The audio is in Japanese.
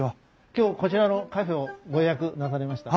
今日こちらのカフェをご予約なされました？